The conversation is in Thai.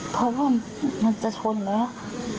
เพราะว่ามันจะชนเลยนะฮะ